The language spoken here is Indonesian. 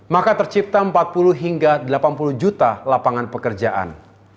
maka tercipta empat puluh hingga delapan puluh juta lapangan pekerjaan